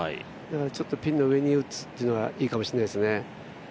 ちょっとピンの上に打つというのは、いいかもしれないですね。